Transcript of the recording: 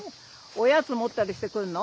おやつ持ったりして来るの？